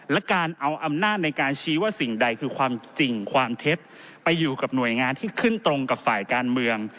และการเอาอำนาจในการชี้ว่าสิ่งใดคือความจริงความเท็จไปอยู่กับหน่วยงานที่ขึ้นตรงกับฝ่ายการเมือง